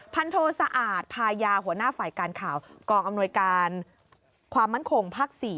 พันโทสะอาดพายาหัวหน้าฝ่ายการข่าวกองอำนวยการความมั่นคงภาค๔